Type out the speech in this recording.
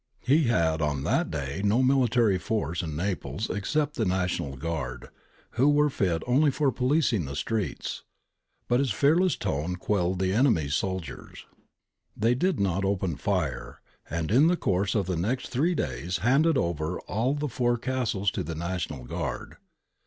He had on that day no military force in Naples except the National Guard, who were fit only for policing the streets, but his fearless tone quelled the enemy's soldiers. They did not open fire, and in the course of the next three days handed over all the four castles to the National Guard.